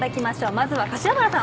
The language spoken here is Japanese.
まずは柏原さん。